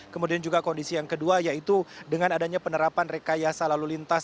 kemudian juga kondisi yang kedua yaitu dengan adanya penerapan rekayasa lalu lintas